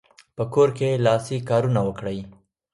په کور کې لاسي کارونه وکړئ.